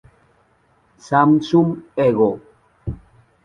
Samsung Ego.